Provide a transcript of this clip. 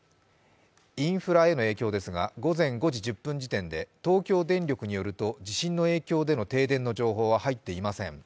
インフラへの影響ですが午前５時１０分時点で東京電力によると地震の影響での停電の情報は入っていません。